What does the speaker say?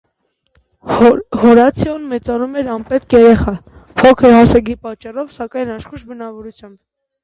Հորացիոն մեծանում էր անպետք երեխա՝ փոքր հասակի պատճառով, սակայն աշխույժ բնավորությամբ։